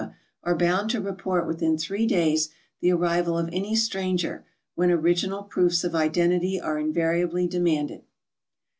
are bound to report within three days the ar rival of any stranger, when official proofs of identity are invariably demanded.